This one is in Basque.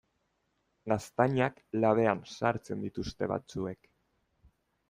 Gaztainak labean sartzen dituzte batzuek.